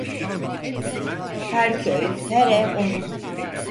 Her köy, her ev onun…